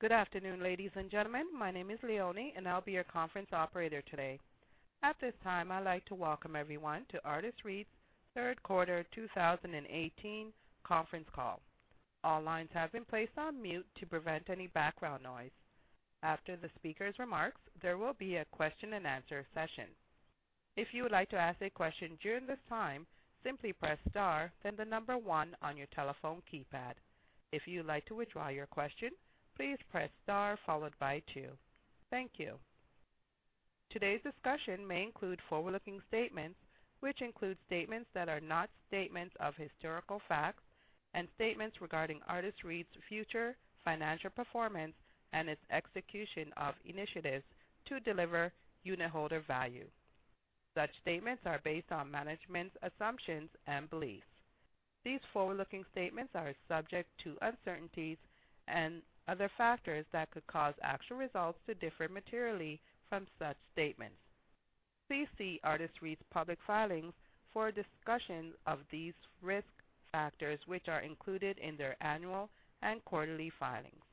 Good afternoon, ladies and gentlemen. My name is Leonie, and I'll be your conference operator today. At this time, I'd like to welcome everyone to Artis REIT's third quarter 2018 conference call. All lines have been placed on mute to prevent any background noise. After the speaker's remarks, there will be a question and answer session. If you would like to ask a question during this time, simply press star, then the number one on your telephone keypad. If you'd like to withdraw your question, please press star followed by two. Thank you. Today's discussion may include forward-looking statements, which include statements that are not statements of historical facts and statements regarding Artis REIT's future financial performance and its execution of initiatives to deliver unitholder value. Such statements are based on management's assumptions and beliefs. These forward-looking statements are subject to uncertainties and other factors that could cause actual results to differ materially from such statements. Please see Artis REIT's public filings for a discussion of these risk factors, which are included in their annual and quarterly filings,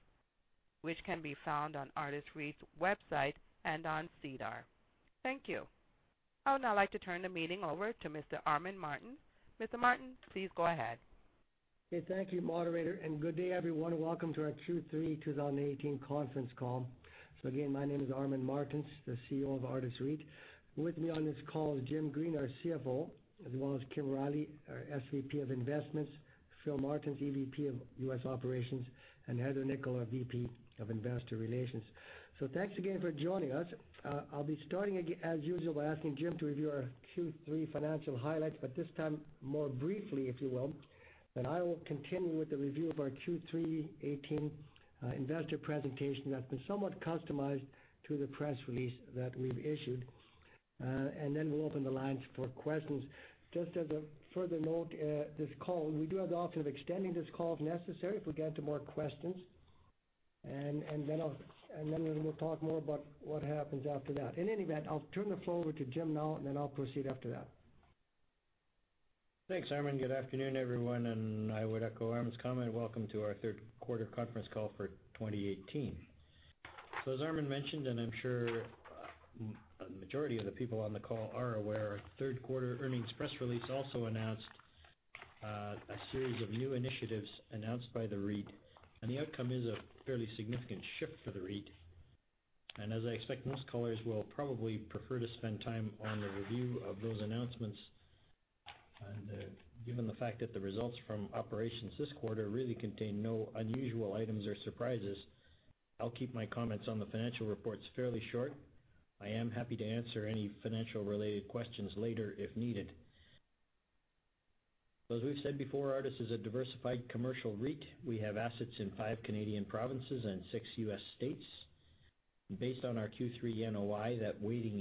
which can be found on Artis REIT's website and on SEDAR. Thank you. I would now like to turn the meeting over to Mr. Armin Martens. Mr. Martens, please go ahead. Okay. Thank you, moderator, and good day, everyone. Welcome to our Q3 2018 conference call. Again, my name is Armin Martens, the CEO of Artis REIT. With me on this call is Jim Green, our CFO, as well as Kim Riley, our SVP of Investments, Philip Martens, EVP of U.S. Operations, and Heather Nichol, our VP of Investor Relations. Thanks again for joining us. I'll be starting, as usual, by asking Jim to review our Q3 financial highlights, but this time more briefly, if you will. Then I will continue with the review of our Q3-18 investor presentation that's been somewhat customized to the press release that we've issued. Then we'll open the lines for questions. Just as a further note, this call, we do have the option of extending this call if necessary if we get into more questions. Then we'll talk more about what happens after that. In any event, I'll turn the floor over to Jim now, then I'll proceed after that. Thanks, Armin. Good afternoon, everyone. I would echo Armin's comment, welcome to our third quarter conference call for 2018. As Armin mentioned, I am sure a majority of the people on the call are aware, our third quarter earnings press release also announced a series of new initiatives announced by the REIT. The outcome is a fairly significant shift for the REIT. As I expect, most callers will probably prefer to spend time on the review of those announcements. Given the fact that the results from operations this quarter really contain no unusual items or surprises, I'll keep my comments on the financial reports fairly short. I am happy to answer any financial-related questions later if needed. As we've said before, Artis is a diversified commercial REIT. We have assets in five Canadian provinces and six U.S. states. Based on our Q3 NOI, that weighting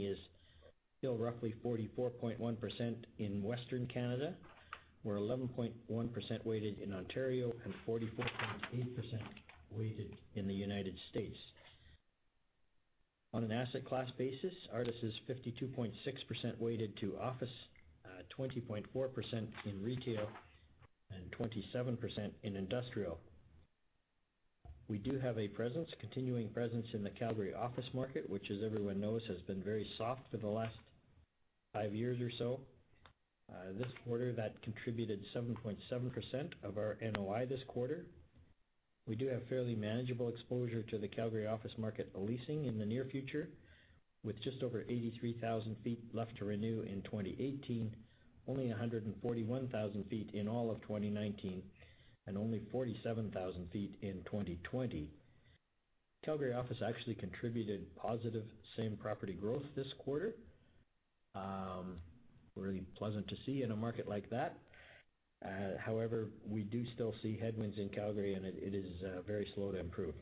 is still roughly 44.1% in Western Canada. We're 11.1% weighted in Ontario and 44.8% weighted in the U.S. On an asset class basis, Artis is 52.6% weighted to office, 20.4% in retail, and 27% in industrial. We do have a presence, continuing presence in the Calgary office market, which, as everyone knows, has been very soft for the last 5 years or so. This quarter, that contributed 7.7% of our NOI this quarter. We do have fairly manageable exposure to the Calgary office market leasing in the near future, with just over 83,000 feet left to renew in 2018, only 141,000 feet in all of 2019, and only 47,000 feet in 2020. Calgary office actually contributed positive same property growth this quarter. Really pleasant to see in a market like that. However, we do still see headwinds in Calgary. It is very slow to improve.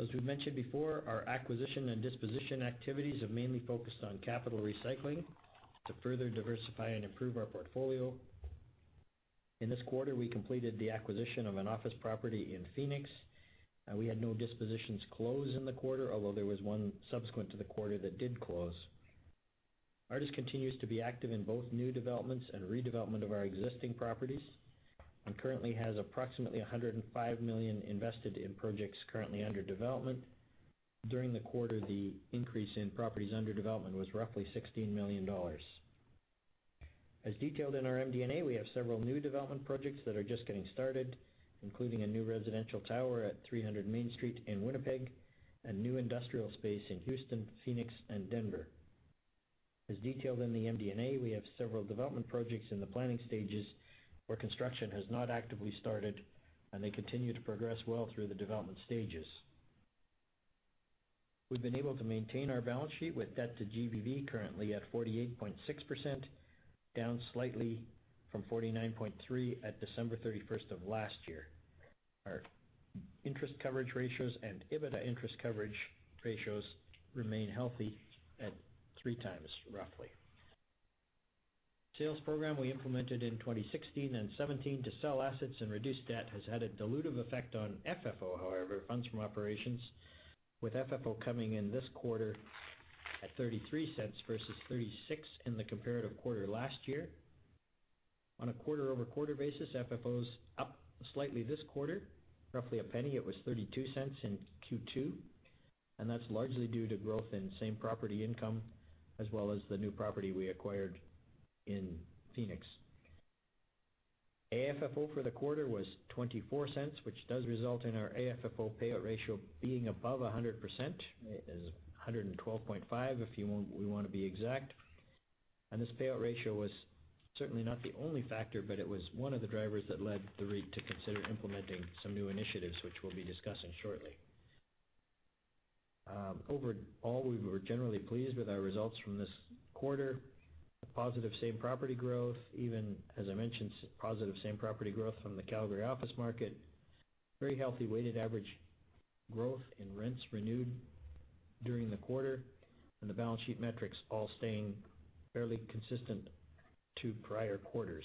As we've mentioned before, our acquisition and disposition activities have mainly focused on capital recycling to further diversify and improve our portfolio. In this quarter, we completed the acquisition of an office property in Phoenix. We had no dispositions closed in the quarter, although there was one subsequent to the quarter that did close. Artis continues to be active in both new developments and redevelopment of our existing properties and currently has approximately 105 million invested in projects currently under development. During the quarter, the increase in properties under development was roughly 16 million dollars. As detailed in our MD&A, we have several new development projects that are just getting started, including a new residential tower at 300 Main Street in Winnipeg and new industrial space in Houston, Phoenix, and Denver. As detailed in the MD&A, we have several development projects in the planning stages where construction has not actively started. They continue to progress well through the development stages. We've been able to maintain our balance sheet with debt to GBV currently at 48.6%, down slightly from 49.3% at December 31st of last year. Our interest coverage ratios and EBITDA interest coverage ratios remain healthy at 3 times, roughly. The sales program we implemented in 2016 and 2017 to sell assets and reduce debt has had a dilutive effect on FFO, however, funds from operations, with FFO coming in this quarter at 0.33 versus 0.36 in the comparative quarter last year. On a quarter-over-quarter basis, FFO is up slightly this quarter, roughly CAD 0.01. It was 0.32 in Q2, and that's largely due to growth in same property income, as well as the new property we acquired in Phoenix. AFFO for the quarter was 0.24, which does result in our AFFO payout ratio being above 100%. It is 112.5%, if we want to be exact. This payout ratio was certainly not the only factor, but it was one of the drivers that led the REIT to consider implementing some new initiatives, which we'll be discussing shortly. Overall, we were generally pleased with our results from this quarter. A positive same property growth, even as I mentioned, positive same property growth from the Calgary office market. Very healthy weighted average growth in rents renewed during the quarter. The balance sheet metrics all staying fairly consistent to prior quarters.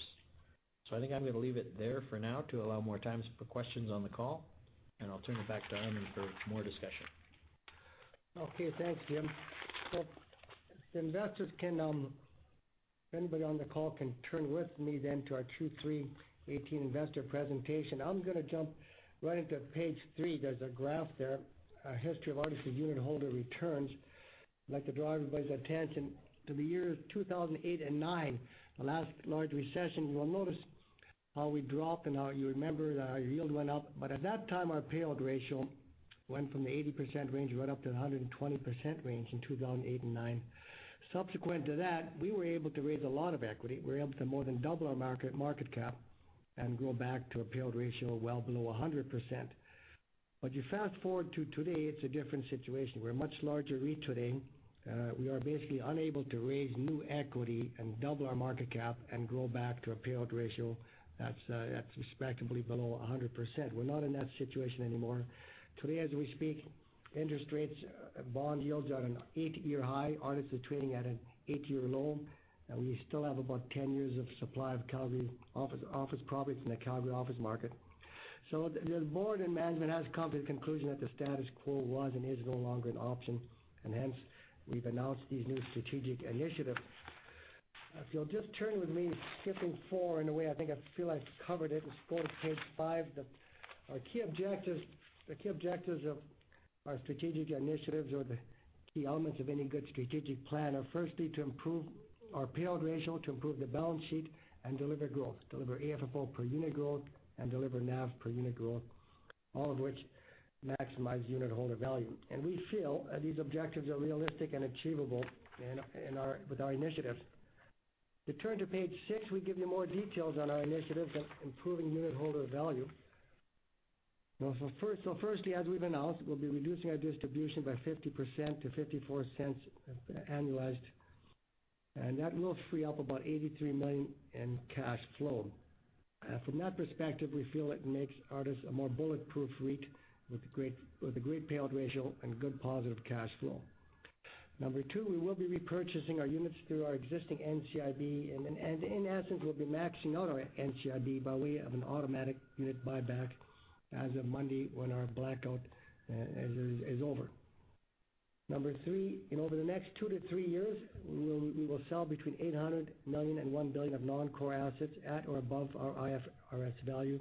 I think I'm going to leave it there for now to allow more time for questions on the call, and I'll turn it back to Armin for more discussion. Thanks, Jim. If anybody on the call can turn with me then to our Q3 2018 investor presentation. I'm going to jump right into page three. There's a graph there, a history of Artis' unitholder returns. I'd like to draw everybody's attention to the years 2008 and 2009, the last large recession. You will notice how we dropped and how you remember our yield went up. At that time, our payout ratio went from the 80% range right up to the 120% range in 2008 and 2009. Subsequent to that, we were able to raise a lot of equity. We were able to more than double our market cap and go back to a payout ratio well below 100%. You fast-forward to today, it's a different situation. We're a much larger REIT today. We are basically unable to raise new equity and double our market cap and grow back to a payout ratio that's respectably below 100%. We're not in that situation anymore. Today, as we speak, interest rates, bond yields are at an 8-year high. Artis is trading at an 8-year low, and we still have about 10 years of supply of Calgary office properties in the Calgary office market. The board and management has come to the conclusion that the status quo was and is no longer an option, and hence, we've announced these new strategic initiatives. If you'll just turn with me, skipping four in a way, I think I feel I've covered it, let's go to page five. The key objectives of our strategic initiatives, or the key elements of any good strategic plan, are firstly to improve our payout ratio, to improve the balance sheet, and deliver growth. Deliver AFFO per unit growth and deliver NAV per unit growth, all of which maximize unitholder value. We feel these objectives are realistic and achievable with our initiatives. If you turn to page six, we give you more details on our initiatives of improving unitholder value. Firstly, as we've announced, we'll be reducing our distribution by 50% to 0.54 annualized, and that will free up about 83 million in cash flow. From that perspective, we feel it makes Artis a more bulletproof REIT with a great payout ratio and good positive cash flow. Number two, we will be repurchasing our units through our existing NCIB. In essence, we'll be maxing out our NCIB by way of an automatic unit buyback as of Monday when our blackout is over. Number three, in over the next 2-3 years, we will sell between 800 million and 1 billion of non-core assets at or above our IFRS value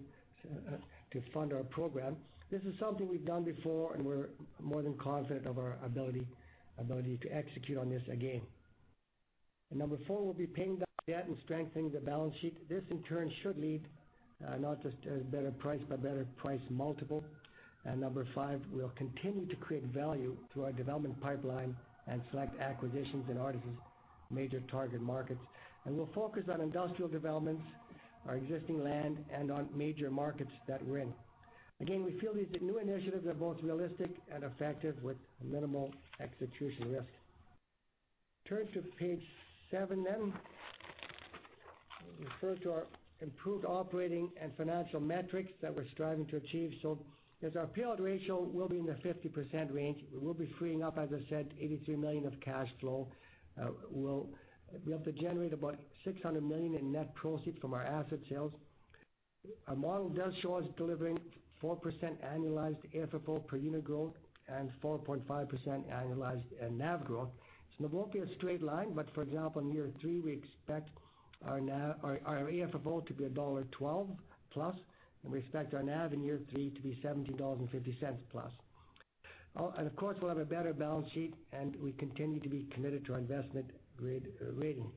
to fund our program. This is something we've done before, and we're more than confident of our ability to execute on this again. Number four, we'll be paying down debt and strengthening the balance sheet. This, in turn, should lead not just to a better price, but better price multiple. Number five, we'll continue to create value through our development pipeline and select acquisitions in Artis' major target markets. We'll focus on industrial developments, our existing land, and on major markets that we're in. Again, we feel these new initiatives are both realistic and effective with minimal execution risk. Turn to page seven. It refers to our improved operating and financial metrics that we're striving to achieve. As our payout ratio will be in the 50% range, we'll be freeing up, as I said, 83 million of cash flow. We hope to generate about 600 million in net proceeds from our asset sales. Our model does show us delivering 4% annualized AFFO per unit growth and 4.5% annualized NAV growth. There won't be a straight line, but for example, in year three, we expect our AFFO to be dollar 1.12+, and we expect our NAV in year three to be 17.50+ dollars. Of course, we'll have a better balance sheet, and we continue to be committed to our investment-grade rating.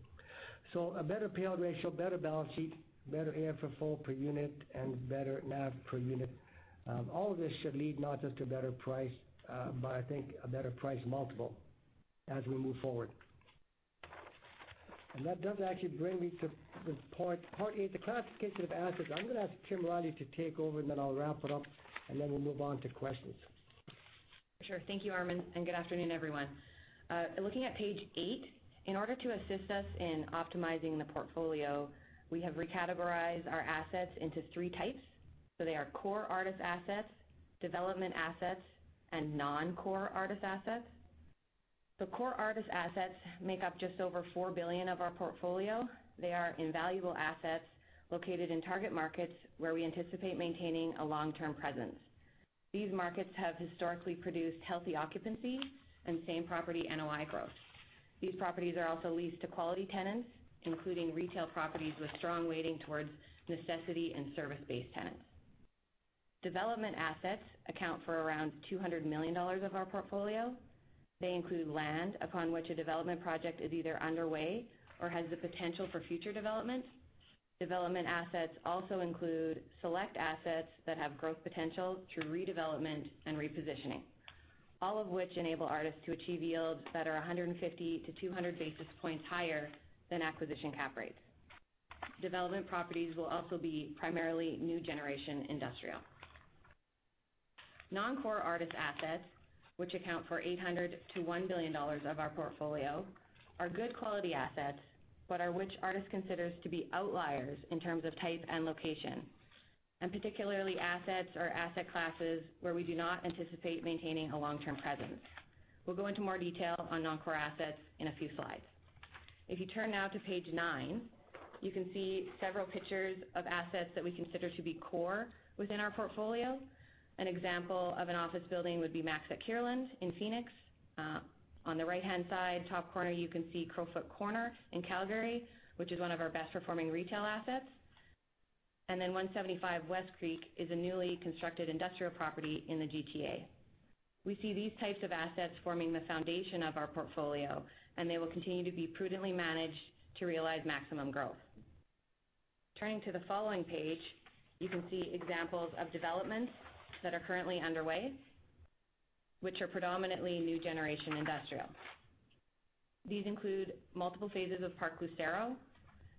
A better payout ratio, better balance sheet, better AFFO per unit, and better NAV per unit. All of this should lead not just to a better price, but I think a better price multiple as we move forward. That does actually bring me to this part. Part eight, the classification of assets. I'm going to ask Kim Riley to take over. Then I'll wrap it up. Then we'll move on to questions. Thank you, Armin, and good afternoon, everyone. Looking at page eight, in order to assist us in optimizing the portfolio, we have recategorized our assets into 3 types. They are core Artis assets, development assets, and non-core Artis assets. The core Artis assets make up just over 4 billion of our portfolio. They are invaluable assets located in target markets where we anticipate maintaining a long-term presence. These markets have historically produced healthy occupancy and same-property NOI growth. These properties are also leased to quality tenants, including retail properties with strong weighting towards necessity and service-based tenants. Development assets account for around 200 million dollars of our portfolio. They include land upon which a development project is either underway or has the potential for future development. Development assets also include select assets that have growth potential through redevelopment and repositioning. All of which enable Artis to achieve yields that are 150-200 basis points higher than acquisition cap rates. Development properties will also be primarily new generation industrial. Non-core Artis assets, which account for 800 million-1 billion dollars of our portfolio, are good quality assets, but are which Artis considers to be outliers in terms of type and location. Particularly assets or asset classes where we do not anticipate maintaining a long-term presence. We'll go into more detail on non-core assets in a few slides. If you turn now to page nine, you can see several pictures of assets that we consider to be core within our portfolio. An example of an office building would be MAX at Kierland in Phoenix. On the right-hand side, top corner, you can see Crowfoot Crossing in Calgary, which is one of our best-performing retail assets. 175 Westcreek is a newly constructed industrial property in the GTA. We see these types of assets forming the foundation of our portfolio, and they will continue to be prudently managed to realize maximum growth. Turning to the following page, you can see examples of developments that are currently underway, which are predominantly new generation industrial. These include multiple phases of Park Lucero,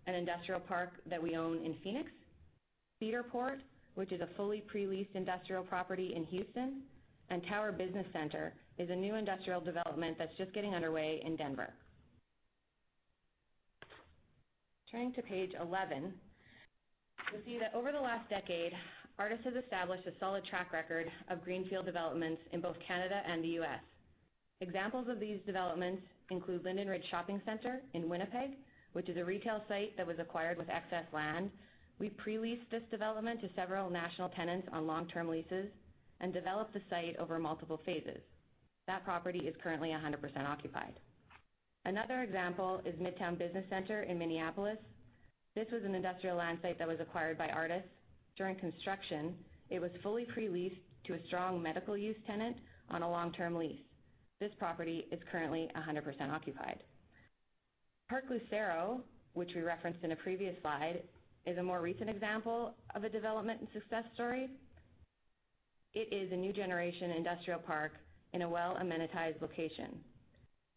an industrial park that we own in Phoenix. Cedar Port, which is a fully pre-leased industrial property in Houston. Tower Business Center is a new industrial development that's just getting underway in Denver. Turning to page 11, you'll see that over the last decade, Artis has established a solid track record of greenfield developments in both Canada and the U.S. Examples of these developments include Linden Ridge Shopping Centre in Winnipeg, which is a retail site that was acquired with excess land. We pre-leased this development to several national tenants on long-term leases and developed the site over multiple phases. That property is currently 100% occupied. Another example is Midtown Business Center in Minneapolis. This was an industrial land site that was acquired by Artis. During construction, it was fully pre-leased to a strong medical use tenant on a long-term lease. This property is currently 100% occupied. Park Lucero, which we referenced in a previous slide, is a more recent example of a development and success story. It is a new generation industrial park in a well-amenitized location.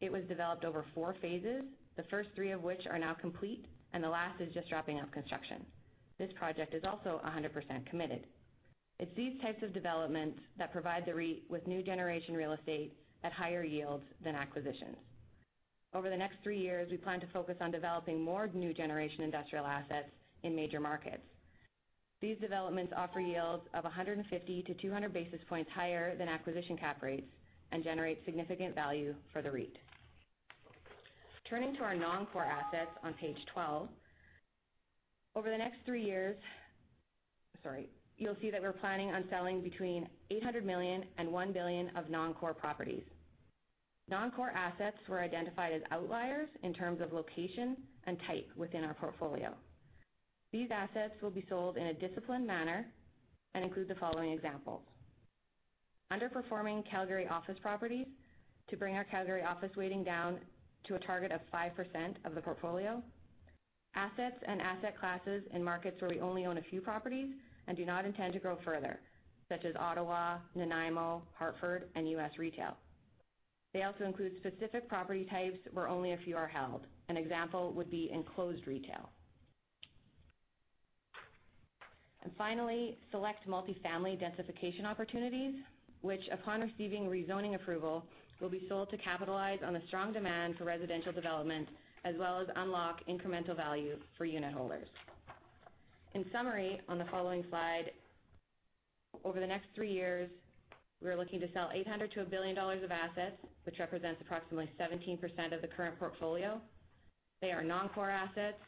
It was developed over 4 phases, the first three of which are now complete, and the last is just wrapping up construction. This project is also 100% committed. It's these types of developments that provide the REIT with new generation real estate at higher yields than acquisitions. Over the next three years, we plan to focus on developing more new generation industrial assets in major markets. These developments offer yields of 150-200 basis points higher than acquisition cap rates and generate significant value for the REIT. Turning to our non-core assets on page 12. Over the next three years, you'll see that we're planning on selling between 800 million and 1 billion of non-core properties. Non-core assets were identified as outliers in terms of location and type within our portfolio. These assets will be sold in a disciplined manner and include the following examples. Underperforming Calgary office properties to bring our Calgary office weighting down to a target of 5% of the portfolio. Assets and asset classes in markets where we only own a few properties and do not intend to grow further, such as Ottawa, Nanaimo, Hartford, and U.S. retail. They also include specific property types where only a few are held. An example would be enclosed retail. Finally, select multi-family densification opportunities, which, upon receiving rezoning approval, will be sold to capitalize on the strong demand for residential development as well as unlock incremental value for unitholders. In summary, on the following slide, over the next three years, we are looking to sell 800 million to 1 billion dollars of assets, which represents approximately 17% of the current portfolio. They are non-core assets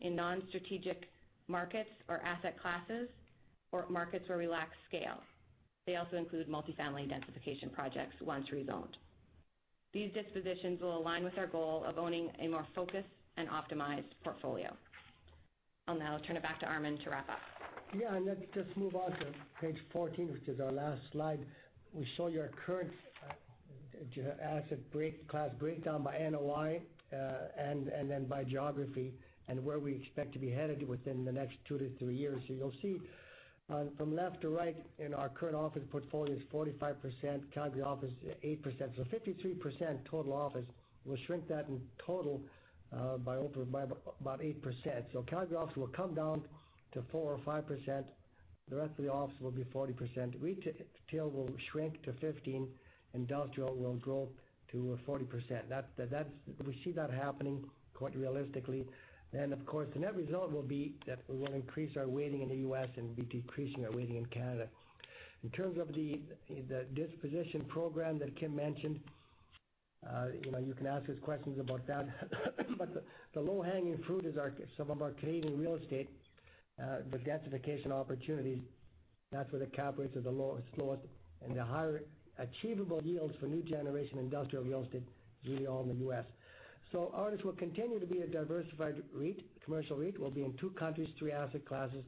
in non-strategic markets or asset classes or markets where we lack scale. They also include multi-family densification projects once rezoned. These dispositions will align with our goal of owning a more focused and optimized portfolio. I'll now turn it back to Armin to wrap up. Let's just move on to page 14, which is our last slide. We show your current asset class breakdown by NOI, then by geography, and where we expect to be headed within the next two to three years. You'll see from left to right in our current office portfolio is 45%, Calgary office 8%, 53% total office. We'll shrink that in total by about 8%. Calgary office will come down to 4% or 5%. The rest of the office will be 40%. Retail will shrink to 15%, industrial will grow to 40%. We see that happening quite realistically. Of course, the net result will be that we will increase our weighting in the U.S. and be decreasing our weighting in Canada. In terms of the disposition program that Kim mentioned. You can ask us questions about that. The low-hanging fruit is some of our Canadian real estate, the densification opportunities. That's where the cap rates are the lowest, and the higher achievable yields for new generation industrial real estate is really all in the U.S. Artis will continue to be a diversified REIT, commercial REIT. We'll be in two countries, three asset classes,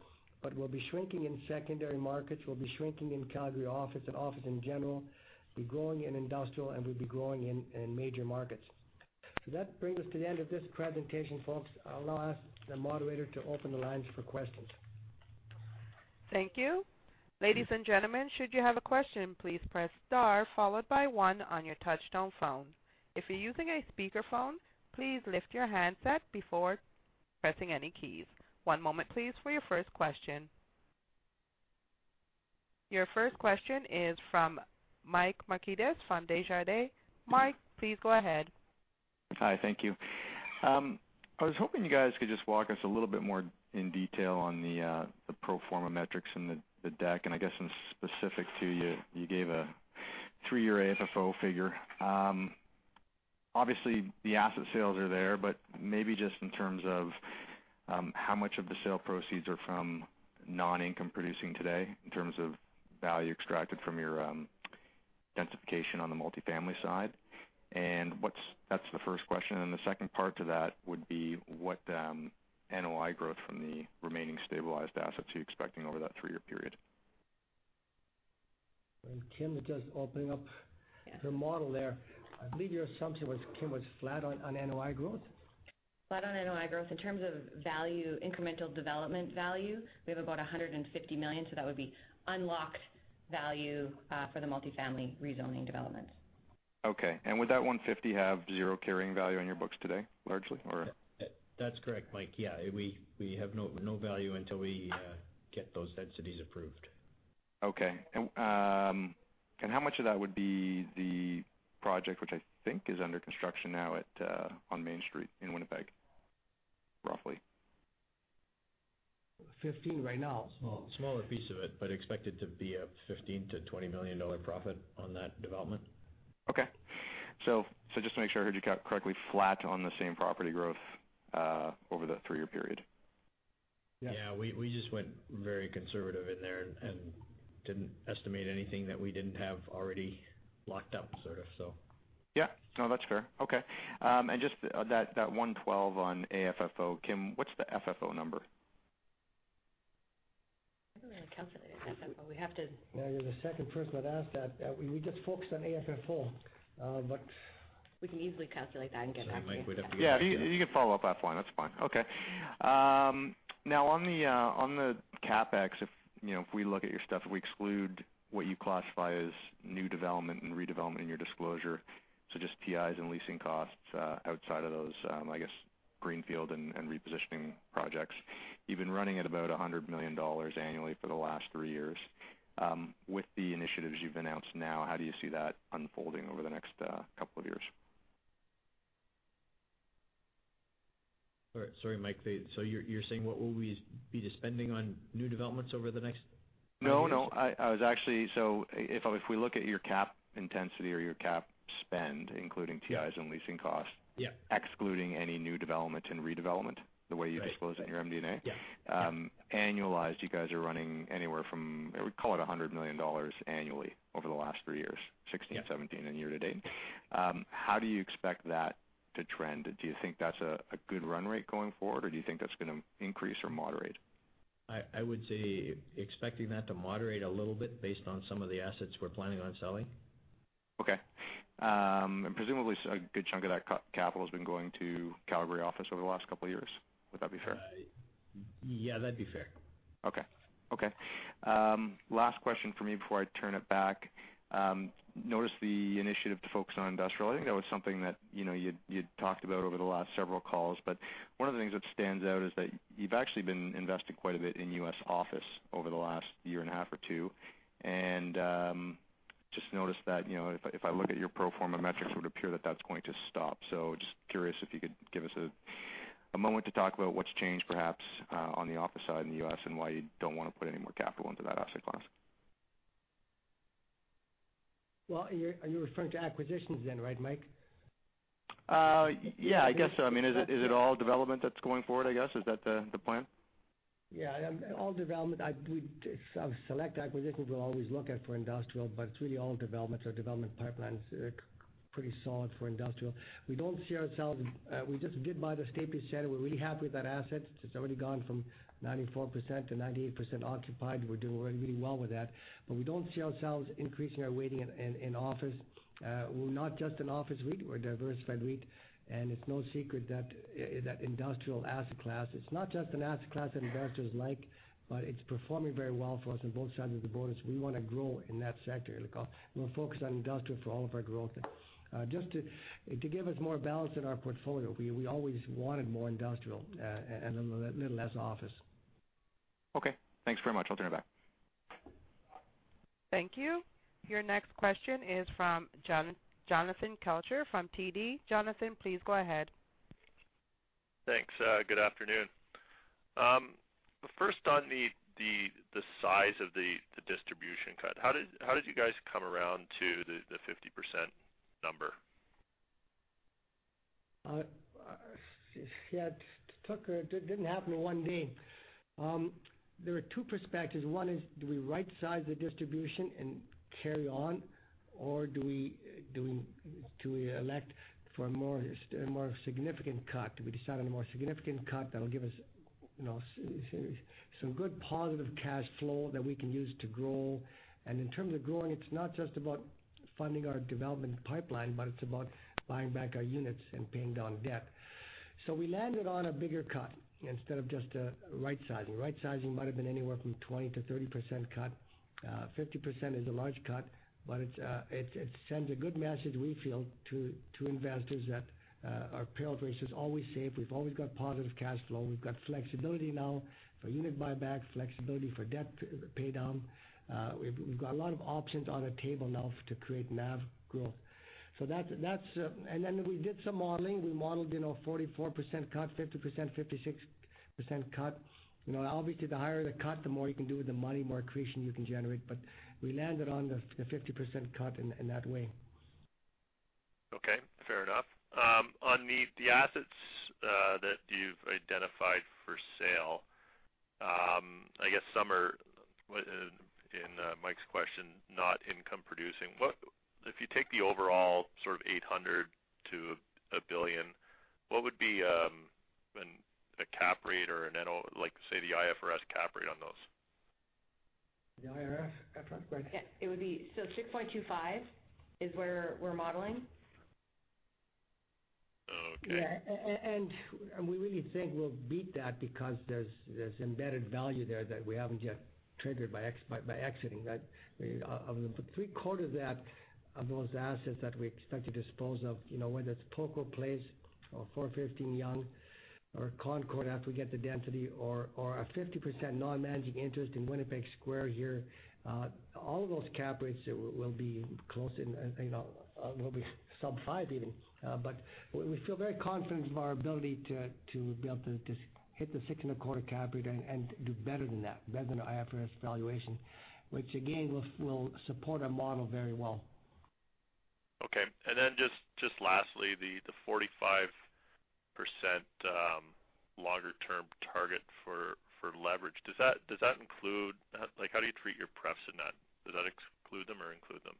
we'll be shrinking in secondary markets, we'll be shrinking in Calgary office and office in general, be growing in industrial, and we'll be growing in major markets. That brings us to the end of this presentation, folks. I'll ask the moderator to open the lines for questions. Thank you. Ladies and gentlemen, should you have a question, please press star followed by one on your touch-tone phone. If you're using a speakerphone, please lift your handset before pressing any keys. One moment, please, for your first question. Your first question is from Michael Markidis from Desjardins. Mike, please go ahead. Hi, thank you. I was hoping you guys could just walk us a little bit more in detail on the pro forma metrics in the deck, and I guess in specific, too, you gave a 3-year AFFO figure. Obviously, the asset sales are there, but maybe just in terms of how much of the sale proceeds are from non-income producing today, in terms of value extracted from your densification on the multifamily side. That's the first question, and the second part to that would be what NOI growth from the remaining stabilized assets are you expecting over that 3-year period? Kim is just opening up. Yes her model there. I believe your assumption, Kim, was flat on NOI growth. Flat on NOI growth. In terms of incremental development value, we have about 150 million, so that would be unlocked value for the multifamily rezoning developments. Okay. Would that 150 have zero carrying value on your books today, largely? That's correct, Mike. Yeah. We have no value until we get those densities approved. Okay. How much of that would be the project, which I think is under construction now on Main Street in Winnipeg, roughly? 15 right now. Smaller piece of it, but expect it to be a 15 million-20 million dollar profit on that development. Okay. Just to make sure I heard you correctly, flat on the same property growth over the three-year period. Yeah. Yeah, we just went very conservative in there and didn't estimate anything that we didn't have already locked up. Yeah. No, that's fair. Okay. Just that 112 on AFFO, Kim, what's the FFO number? I don't know how to calculate FFO. We have to Yeah, you're the second person that asked that. We just focus on AFFO. We can easily calculate that and get back to you. Mike, we'd have to Yeah, you can follow up offline. That's fine. Okay. On the CapEx, if we look at your stuff, if we exclude what you classify as new development and redevelopment in your disclosure, just TIs and leasing costs outside of those, I guess, greenfield and repositioning projects, you've been running at about 100 million dollars annually for the last three years. With the initiatives you've announced now, how do you see that unfolding over the next couple of years? Sorry, Mike. You're saying what will we be spending on new developments over the next- No, if we look at your cap intensity or your cap spend, including TIs and leasing costs- Yeah. excluding any new development and redevelopment, the way you disclose it in your MD&A. Yeah. Annualized, you guys are running anywhere from, call it 100 million dollars annually over the last three years, 2016, 2017, and year to date. How do you expect that to trend? Do you think that's a good run rate going forward, or do you think that's going to increase or moderate? I would say expecting that to moderate a little bit based on some of the assets we're planning on selling. Okay. Presumably, a good chunk of that capital has been going to Calgary office over the last couple of years. Would that be fair? Yeah, that'd be fair. Okay. Last question from me before I turn it back. Noticed the initiative to focus on industrial. I think that was something that you'd talked about over the last several calls, but one of the things that stands out is that you've actually been investing quite a bit in U.S. office over the last year and a half or two. Just noticed that if I look at your pro forma metrics, it would appear that that's going to stop. Just curious if you could give us a moment to talk about what's changed, perhaps, on the office side in the U.S. and why you don't want to put any more capital into that asset class. Well, are you referring to acquisitions then, right, Mike? Yeah, I guess so. Is it all development that's going forward, I guess? Is that the plan? Yeah. All development. Select acquisitions, we'll always look at for industrial. It's really all development. Development pipelines are pretty solid for industrial. We just did buy the Stapley Center. We're really happy with that asset. It's already gone from 94% to 98% occupied. We're doing really well with that. We don't see ourselves increasing our weighting in office. We're not just an office REIT. We're a diversified REIT. It's no secret that industrial asset class, it's not just an asset class that investors like. It's performing very well for us on both sides of the border. We want to grow in that sector. We'll focus on industrial for all of our growth. Just to give us more balance in our portfolio, we always wanted more industrial and a little less office. Okay. Thanks very much. I'll turn it back. Thank you. Your next question is from Jonathan Kelcher from TD. Jonathan, please go ahead. Thanks. Good afternoon. First on the size of the distribution cut. How did you guys come around to the 50% number? It didn't happen in one day. There were two perspectives. One is, do we right-size the distribution and carry on, or do we elect for a more significant cut? Do we decide on a more significant cut that'll give us some good positive cash flow that we can use to grow? In terms of growing, it's not just about funding our development pipeline, but it's about buying back our units and paying down debt. We landed on a bigger cut instead of just a right-sizing. Right-sizing might've been anywhere from 20%-30% cut. 50% is a large cut, but it sends a good message, we feel, to investors that our payout ratio is always safe. We've always got positive cash flow. We've got flexibility now for unit buyback, flexibility for debt pay down. We've got a lot of options on the table now to create NAV growth. We did some modeling. We modeled 44% cut, 50%, 56% cut. Obviously, the higher the cut, the more you can do with the money, more creation you can generate. We landed on the 50% cut in that way. Okay, fair enough. On the assets that you've identified for sale, I guess some are, in Mike's question, not income producing. If you take the overall sort of 800 million to 1 billion, what would be a cap rate or an NOI, like say the IFRS cap rate on those? The IFRS cap rate? Yeah. 6.25 is where we're modeling. Okay. Yeah. We really think we'll beat that because there's embedded value there that we haven't yet triggered by exiting that. Of the three-quarters of those assets that we expect to dispose of, whether it's Poco Place or 415 Yonge or Concord after we get the density or our 50% non-managing interest in Winnipeg Square here, all of those cap rates will be sub five even. We feel very confident of our ability to be able to hit the six and a quarter cap rate and do better than that, better than our IFRS valuation, which again, will support our model very well. Okay. Just lastly, the 45% longer-term target for leverage. How do you treat your pref in that? Does that exclude them or include them?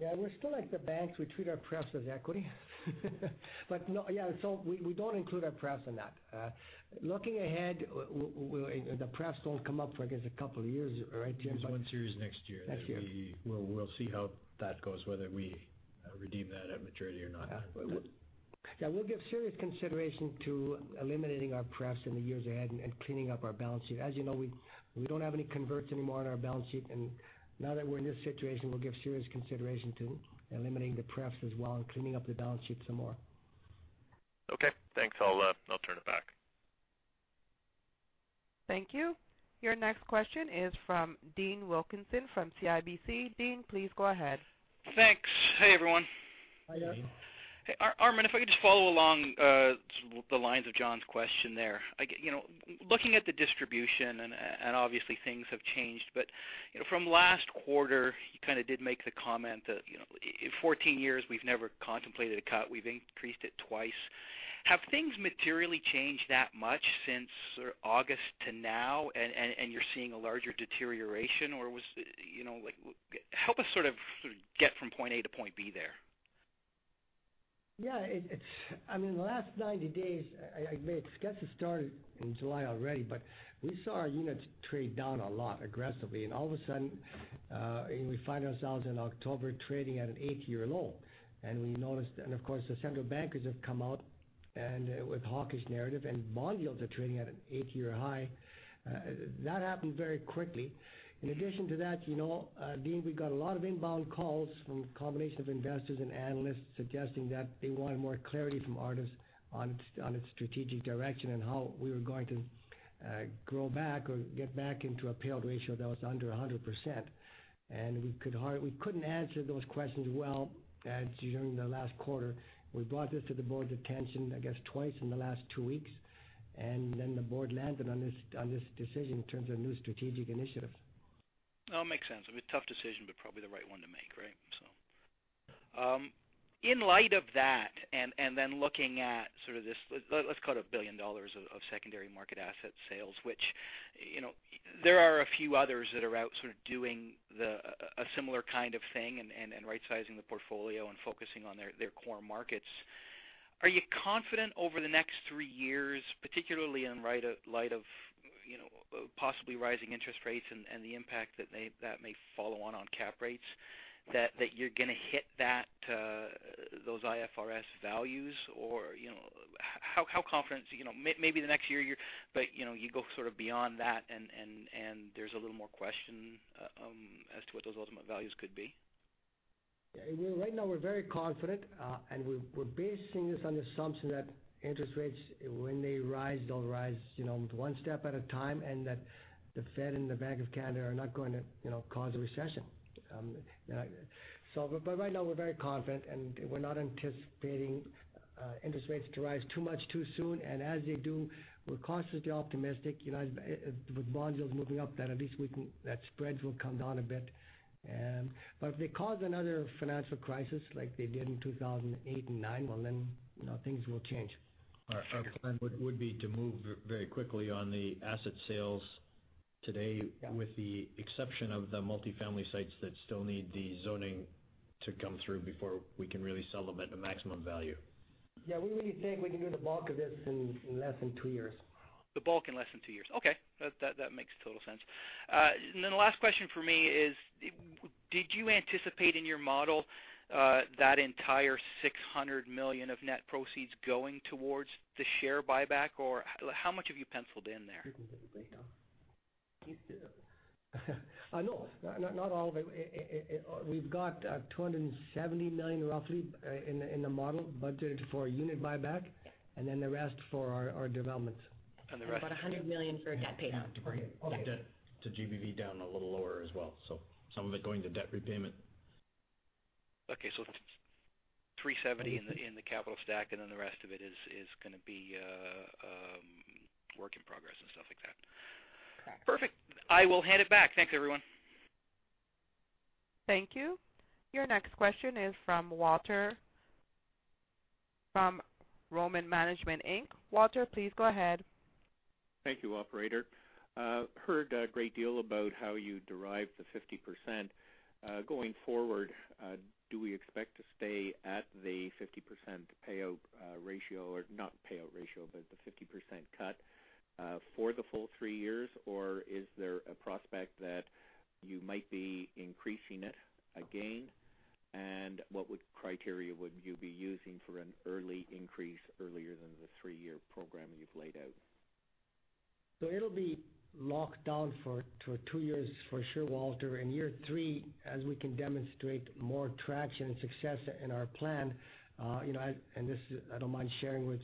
Yeah, we're still like the banks. We treat our pref as equity. We don't include our pref in that. Looking ahead, the pref won't come up for, I guess, a couple of years. Right, Jim? There's one series next year. Next year. We'll see how that goes, whether we redeem that at maturity or not. Yeah. We'll give serious consideration to eliminating our pref in the years ahead and cleaning up our balance sheet. As you know, we don't have any converts anymore on our balance sheet, and now that we're in this situation, we'll give serious consideration to eliminating the pref as well and cleaning up the balance sheet some more. Okay, thanks. I'll turn it back. Thank you. Your next question is from Dean Wilkinson from CIBC. Dean, please go ahead. Thanks. Hey, everyone. Hi, Dean. Hey, Armin, if I could just follow along the lines of John's question there. Looking at the distribution, and obviously things have changed, but from last quarter, you kind of did make the comment that 14 years we've never contemplated a cut. We've increased it twice. Have things materially changed that much since August to now, and you're seeing a larger deterioration? Help us sort of get from point A to point B there. Yeah. In the last 90 days, I admit, I guess it started in July already, but we saw our units trade down a lot aggressively, and all of a sudden, we find ourselves in October trading at an 8-year low. We noticed. Of course, the central bankers have come out with hawkish narrative, and bond yields are trading at an 8-year high. That happened very quickly. In addition to that, Dean, we got a lot of inbound calls from a combination of investors and analysts suggesting that they wanted more clarity from Artis on its strategic direction and how we were going to grow back or get back into a payout ratio that was under 100%. We couldn't answer those questions well during the last quarter. We brought this to the board's attention, I guess, twice in the last two weeks. The board landed on this decision in terms of new strategic initiatives. It makes sense. I mean, a tough decision, but probably the right one to make, right? In light of that, then looking at sort of this, let's call it a 1 billion dollars of secondary market asset sales, which there are a few others that are out sort of doing a similar kind of thing and right-sizing the portfolio and focusing on their core markets. Are you confident over the next three years, particularly in light of possibly rising interest rates and the impact that may follow on cap rates, that you're going to hit those IFRS values? How confident? Maybe the next year, but you go sort of beyond that and there's a little more question as to what those ultimate values could be? Yeah. Right now, we're very confident. We're basing this on the assumption that interest rates, when they rise, they'll rise one step at a time, and that the Fed and the Bank of Canada are not going to cause a recession. Right now, we're very confident, and we're not anticipating interest rates to rise too much too soon. As they do, we're cautiously optimistic, with bond yields moving up, that at least that spreads will come down a bit. If they cause another financial crisis like they did in 2008 and 2009, well then things will change. Our plan would be to move very quickly on the asset sales today. Yeah With the exception of the multifamily sites that still need the zoning to come through before we can really sell them at a maximum value. Yeah. We really think we can do the bulk of this in less than two years. The bulk in less than two years. Okay. That makes total sense. The last question from me is, did you anticipate in your model that entire 600 million of net proceeds going towards the share buyback, or how much have you penciled in there? No, not all of it. We've got 270 million roughly in the model budgeted for unit buyback, and then the rest for our developments. The rest. About 100 million for debt pay down. Yeah. To bring all the debt to GBV down a little lower as well. Some of it going to debt repayment. Okay. 370 in the capital stack, and then the rest of it is going to be work in progress and stuff like that. Correct. Perfect. I will hand it back. Thanks, everyone. Thank you. Your next question is from Walter, from Ronin Management Inc. Walter, please go ahead. Thank you, operator. Heard a great deal about how you derived the 50%. Do we expect to stay at the 50% payout ratio, or not payout ratio, but the 50% cut, for the full three years? Is there a prospect that you might be increasing it again? What criteria would you be using for an early increase earlier than the three-year program you've laid out? It'll be locked down for two years for sure, Walter. In year three, as we can demonstrate more traction and success in our plan, I don't mind sharing with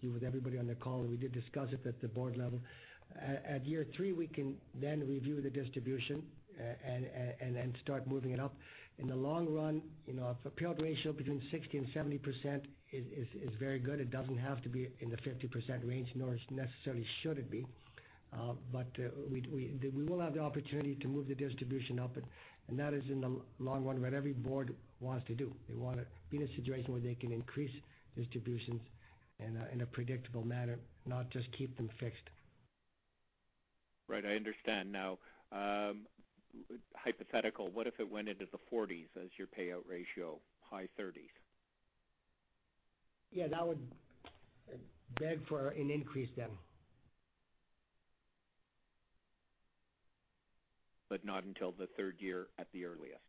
you, with everybody on the call, we did discuss it at the board level. At year three, we can then review the distribution, start moving it up. In the long run, a payout ratio between 60% and 70% is very good. It doesn't have to be in the 50% range, nor necessarily should it be. We will have the opportunity to move the distribution up, that is in the long run what every board wants to do. They want to be in a situation where they can increase distributions in a predictable manner, not just keep them fixed. Right. I understand. Hypothetical, what if it went into the 40s as your payout ratio, high 30s? That would beg for an increase then. Not until the third year at the earliest.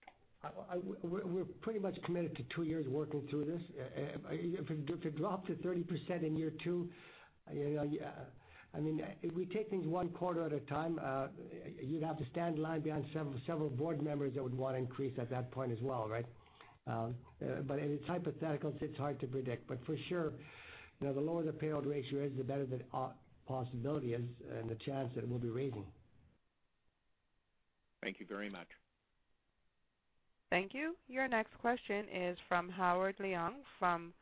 We're pretty much committed to 2 years working through this. If it dropped to 30% in year 2, we take things 1 quarter at a time. You'd have to stand in line behind several board members that would want to increase at that point as well, right? It's hypothetical, so it's hard to predict. For sure, the lower the payout ratio is, the better the possibility is, and the chance that we'll be raising. Thank you very much. Thank you. Your next question is from Howard Leung from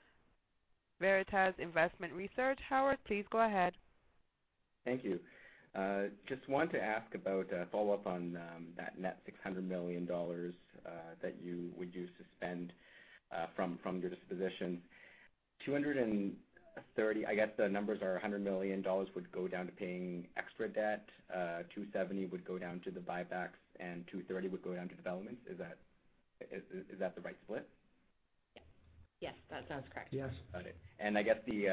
Veritas Investment Research. Howard, please go ahead. Thank you. Just wanted to ask about a follow-up on that net 600 million dollars that you would use to spend from your disposition. I guess the numbers are 100 million dollars would go down to paying extra debt, 270 million would go down to the buybacks, and 230 million would go down to developments. Is that the right split? Yes. That sounds correct. Yes. Got it. I guess the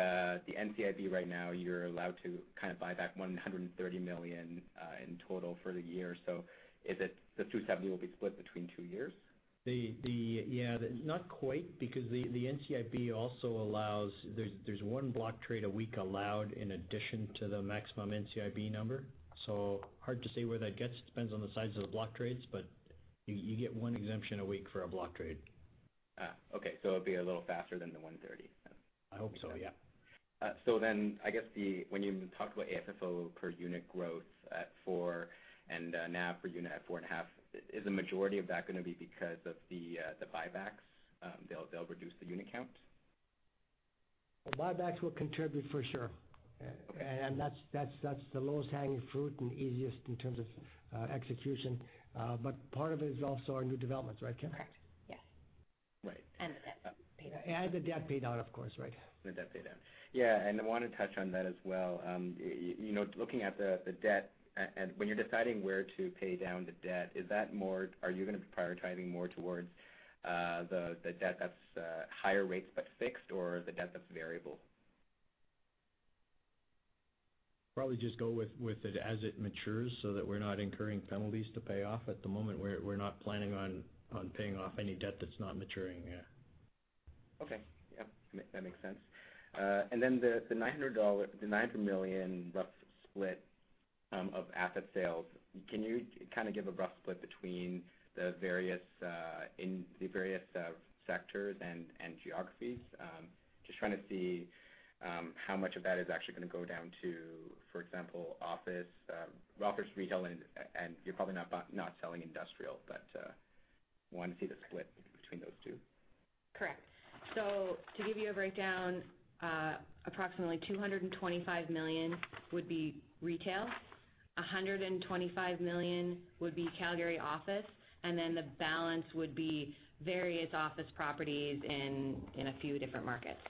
NCIB right now, you're allowed to buy back 130 million in total for the year. The 270 million will be split between two years? Yeah. Not quite, because the NCIB also allows. There's one block trade a week allowed in addition to the maximum NCIB number. Hard to say where that gets, depends on the size of the block trades, but you get one exemption a week for a block trade. Okay. It'll be a little faster than the 130 then. I hope so, yeah. I guess when you talked about AFFO per unit growth at 4% and NAV per unit at 4.5%, is the majority of that going to be because of the buybacks? They'll reduce the unit count? The buybacks will contribute for sure. That's the lowest hanging fruit and easiest in terms of execution. Part of it is also our new developments, right, Kim? Correct. Yes. Right. The debt pay down. The debt paid out, of course, right? The debt pay down. Yeah, and I want to touch on that as well. Looking at the debt, when you're deciding where to pay down the debt, are you going to be prioritizing more towards the debt that's higher rates but fixed or the debt that's variable? Probably just go with it as it matures so that we're not incurring penalties to pay off. At the moment, we're not planning on paying off any debt that's not maturing, yeah. Okay. Yeah, that makes sense. Then the 900 million rough split of asset sales, can you give a rough split between the various sectors and geographies? Just trying to see how much of that is actually going to go down to, for example, office, retail, and you're probably not selling industrial, but wanted to see the split between those two. Correct. To give you a breakdown, approximately 225 million would be retail, 125 million would be Calgary office, and then the balance would be various office properties in a few different markets.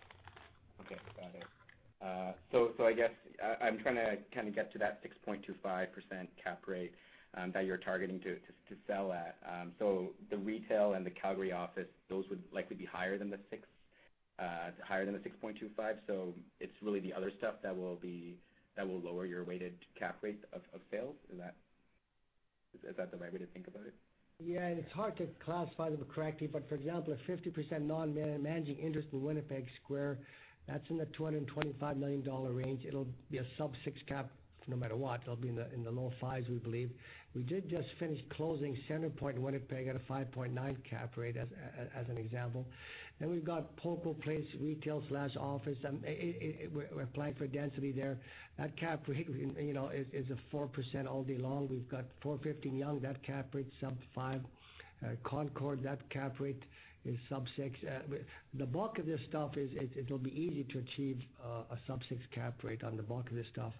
Okay, got it. I guess, I'm trying to get to that 6.25% cap rate that you're targeting to sell at. The retail and the Calgary office, those would likely be higher than the 6.25%, so it's really the other stuff that will lower your weighted cap rate of sales. Is that the right way to think about it? Yeah, it's hard to classify them correctly, but for example, a 50% non-managing interest in Winnipeg Square, that's in the 225 million dollar range. It'll be a sub 6 cap no matter what. It'll be in the low 5s, we believe. We did just finish closing Centrepoint in Winnipeg at a 5.9% cap rate, as an example. We've got Poco Place retail/office. We're applying for density there. That cap rate is a 4% all day long. We've got 415 Yonge, that cap rate's sub 5. Concord, that cap rate is sub 6. The bulk of this stuff, it'll be easy to achieve a sub 6 cap rate on the bulk of this stuff.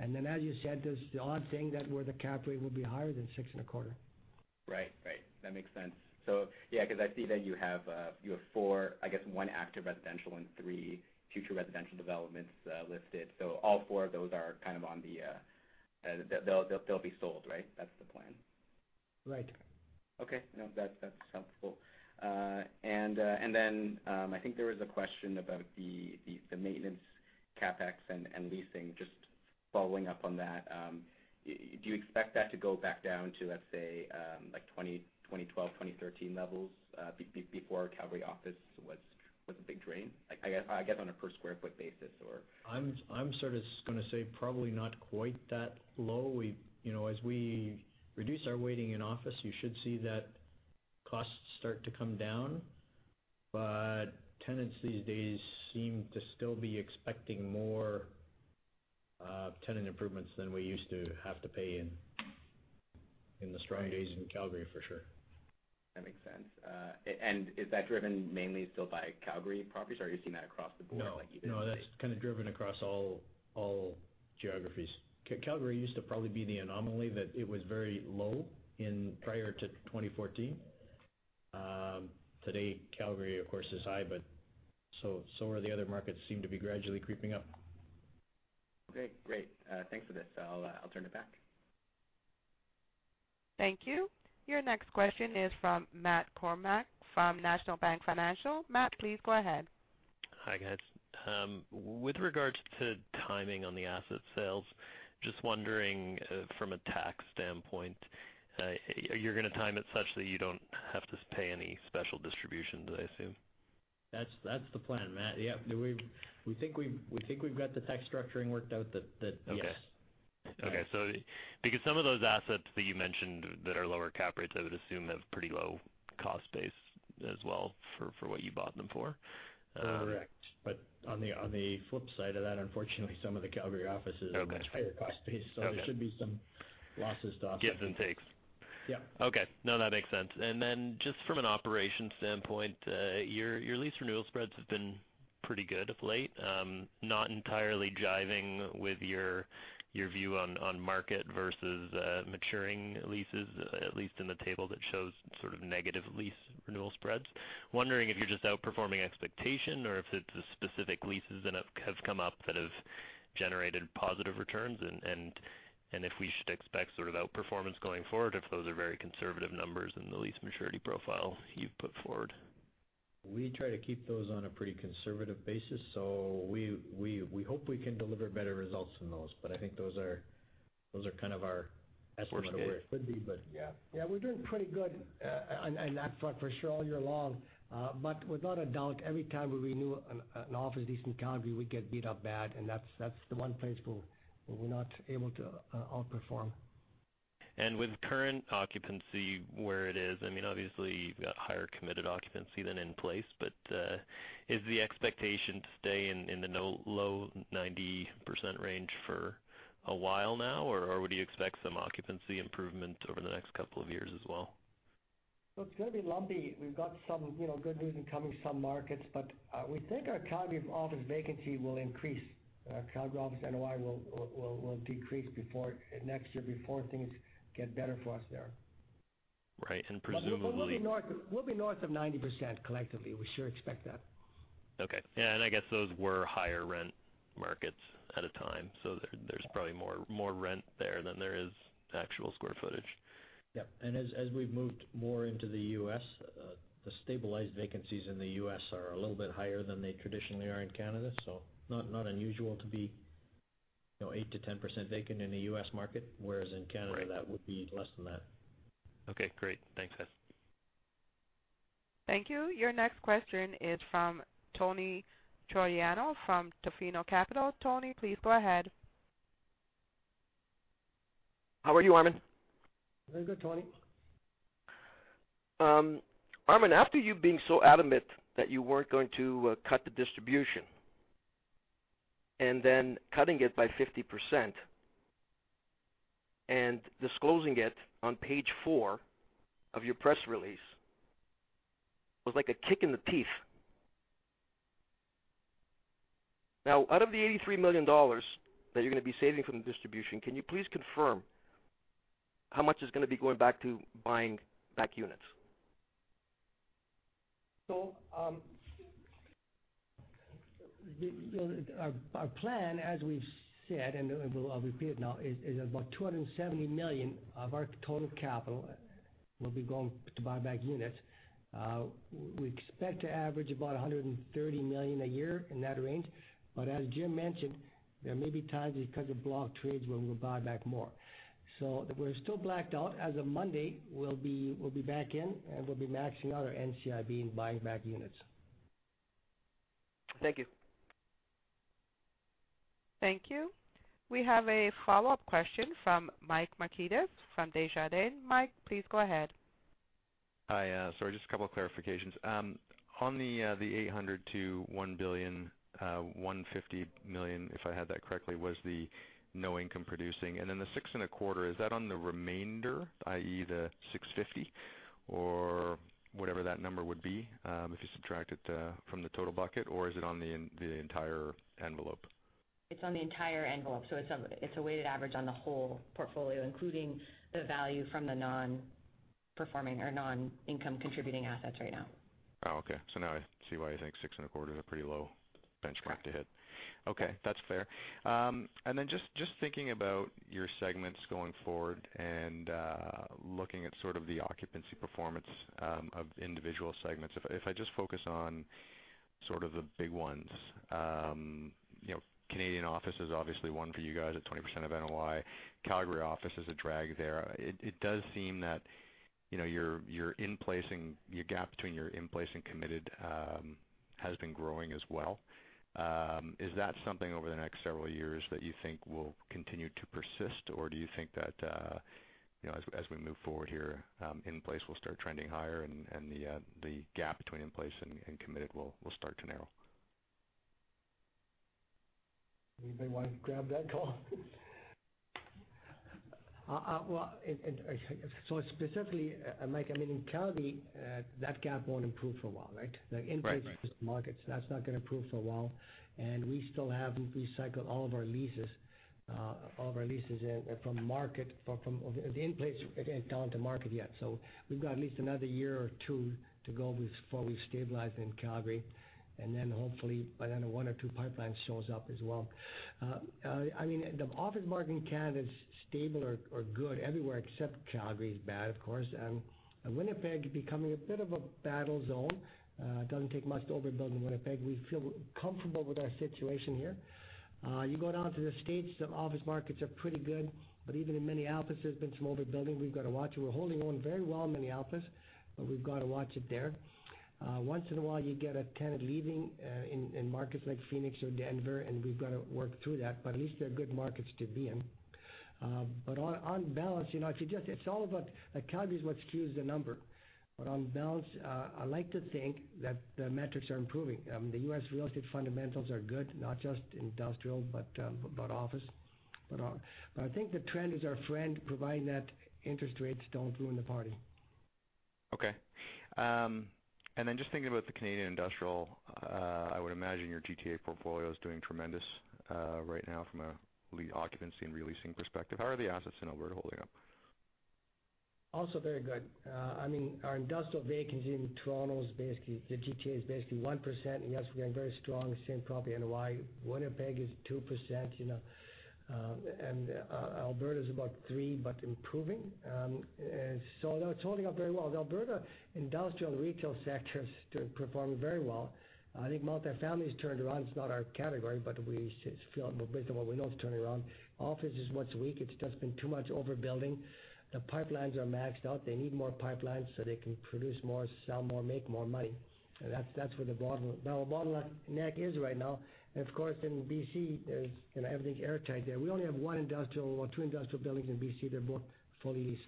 As you said, there's the odd thing that where the cap rate will be higher than 6.25. Right. That makes sense. Yeah, because I see that you have four, I guess one active residential and three future residential developments listed. All four of those are They'll be sold, right? That's the plan. Right. Okay. No, that's helpful. I think there was a question about the maintenance CapEx and leasing, just following up on that. Do you expect that to go back down to, let's say, 2012, 2013 levels, before Calgary office was a big drain? I guess on a per square foot basis or I'm sort of going to say probably not quite that low. As we reduce our weighting in office, you should see that costs start to come down. Tenants these days seem to still be expecting more Tenant Improvements than we used to have to pay in the strong days in Calgary, for sure. That makes sense. Is that driven mainly still by Calgary properties, or are you seeing that across the board, like even in the- No. That's kind of driven across all geographies. Calgary used to probably be the anomaly that it was very low prior to 2014. Today, Calgary, of course, is high, but so are the other markets seem to be gradually creeping up. Okay, great. Thanks for this. I'll turn it back. Thank you. Your next question is from Matt Kornack from National Bank Financial. Matt, please go ahead. Hi, guys. With regards to timing on the asset sales, just wondering from a tax standpoint, you're going to time it such that you don't have to pay any special distributions, I assume? That's the plan, Matt. Yep. We think we've got the tax structuring worked out that, yes. Okay. Because some of those assets that you mentioned that are lower cap rates, I would assume have pretty low cost base as well for what you bought them for. Correct. On the flip side of that, unfortunately, some of the Calgary offices- Okay have much higher cost base. Okay. There should be some losses to offset. Gives and takes. Yeah. Okay. No, that makes sense. Just from an operations standpoint, your lease renewal spreads have been pretty good of late. Not entirely jiving with your view on market versus maturing leases, at least in the table that shows sort of negative lease renewal spreads. Wondering if you're just outperforming expectation or if it's the specific leases that have come up that have generated positive returns and if we should expect sort of outperformance going forward if those are very conservative numbers in the lease maturity profile you've put forward. We try to keep those on a pretty conservative basis. We hope we can deliver better results than those, I think those are kind of our- Worst case estimate of where it could be, yeah. Yeah, we're doing pretty good on that front, for sure, all year long. Without a doubt, every time we renew an office lease in Calgary, we get beat up bad, and that's the one place where we're not able to outperform. With current occupancy where it is, I mean, obviously, you've got higher committed occupancy than in place, but is the expectation to stay in the low 90% range for a while now, or would you expect some occupancy improvement over the next couple of years as well? Well, it's going to be lumpy. We've got some good news incoming some markets, but we think our Calgary office vacancy will increase. Calgary office NOI will decrease next year before things get better for us there. Right. We'll be north of 90% collectively. We sure expect that. Okay. Yeah, I guess those were higher rent markets at a time, there's probably more rent there than there is actual square footage. Yep. As we've moved more into the U.S., the stabilized vacancies in the U.S. are a little bit higher than they traditionally are in Canada, not unusual to be 8%-10% vacant in the U.S. market, whereas in Canada Right that would be less than that. Okay, great. Thanks, guys. Thank you. Your next question is from Tony Troiano from Tofino Capital. Tony, please go ahead. How are you, Armin? Very good, Tony. Armin, after you being so adamant that you weren't going to cut the distribution, and then cutting it by 50% and disclosing it on page four of your press release was like a kick in the teeth. Out of the 83 million dollars that you're going to be saving from the distribution, can you please confirm how much is going to be going back to buying back units? Our plan, as we've said, and I'll repeat it now, is about 270 million of our total capital will be going to buy back units. We expect to average about 130 million a year, in that range. As Jim mentioned, there may be times because of block trades where we'll buy back more. We're still blacked out. As of Monday, we'll be back in, and we'll be maxing out our NCIB and buying back units. Thank you. Thank you. We have a follow-up question from Michael Markidis from Desjardins. Mike, please go ahead. Hi. Sorry, just a couple of clarifications. On the 800 million-1 billion, 150 million, if I had that correctly, was the no income producing. Then the six and a quarter, is that on the remainder, i.e., the 650 million or whatever that number would be if you subtract it from the total bucket, or is it on the entire envelope? It's on the entire envelope. It's a weighted average on the whole portfolio, including the value from the non-performing or non-income contributing assets right now. Oh, okay. Now I see why you think six and a quarter is a pretty low benchmark to hit. Correct. Okay. That's fair. Then just thinking about your segments going forward and looking at sort of the occupancy performance of individual segments. If I just focus on sort of the big ones, Canadian office is obviously one for you guys at 20% of NOI. Calgary office is a drag there. It does seem that your gap between your in-place and committed has been growing as well. Is that something over the next several years that you think will continue to persist, or do you think that, as we move forward here, in-place will start trending higher and the gap between in-place and committed will start to narrow? Anybody want to grab that call? Specifically, Mike, in Calgary, that gap won't improve for a while, right? Right. The in-place markets, that's not going to improve for a while, and we still haven't recycled all of our leases from market, from the in-place down to market yet. We've got at least another year or two to go before we stabilize in Calgary, and then hopefully by then one or two pipelines shows up as well. The office market in Canada is stable or good everywhere, except Calgary is bad, of course. Winnipeg is becoming a bit of a battle zone. It doesn't take much to overbuild in Winnipeg. We feel comfortable with our situation here. You go down to the U.S., the office markets are pretty good, but even in Minneapolis, there's been some overbuilding we've got to watch. We're holding our own very well in Minneapolis, but we've got to watch it there. Once in a while, you get a tenant leaving, in markets like Phoenix or Denver, and we've got to work through that, but at least they're good markets to be in. On balance, Calgary is what skews the number. On balance, I like to think that the metrics are improving. The U.S. real estate fundamentals are good, not just in industrial, but office. I think the trend is our friend, providing that interest rates don't ruin the party. Okay. Just thinking about the Canadian industrial, I would imagine your GTA portfolio is doing tremendous right now from a lead occupancy and re-leasing perspective. How are the assets in Alberta holding up? Also very good. Our industrial vacancy in Toronto is basically the GTA is basically 1%, and yes, we are very strong, same property NOI. Winnipeg is 2%, and Alberta is about 3%, but improving. It's holding up very well. The Alberta industrial retail sector is still performing very well. I think multi-family has turned around. It's not our category, but based on what we know, it's turning around. Office is much weaker. There's just been too much overbuilding. The pipelines are maxed out. They need more pipelines so they can produce more, sell more, make more money. That's where the bottleneck is right now. Of course, in BC, everything's airtight there. We only have one industrial or two industrial buildings in BC. They're both fully leased.